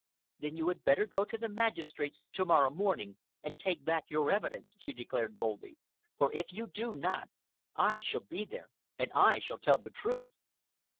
"Then you had better go to the magistrates tomorrow morning and take back your evidence," she declared boldly, "for if you do not, I shall be there and I shall tell the truth."